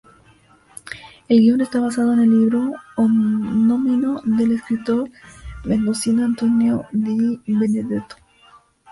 El guion está basado en el libro homónimo del escritor mendocino Antonio Di Benedetto.